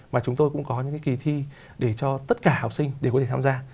mà chúng tôi cũng có những cái kỳ thi để cho tất cả học sinh đều có thể tham gia